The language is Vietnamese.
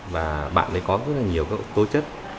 và bạn ấy có rất là nhiều tố chất